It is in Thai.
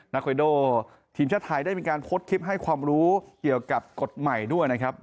คอยโดทีมชาติไทยได้มีการโพสต์คลิปให้ความรู้เกี่ยวกับกฎหมายด้วยนะครับ